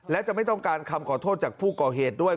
และจะไม่ต้องการคำขอโทษจากผู้ก่อเหตุด้วย